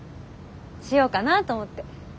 しようかなと思って。